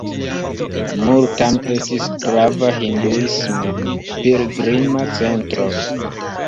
Multan estis grava hinduisma pilgrima centro.